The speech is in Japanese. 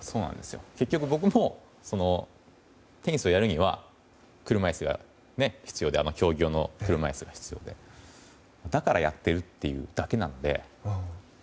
結局、僕もテニスをやるには競技用の車いすが必要でだからやってるっていうだけなので。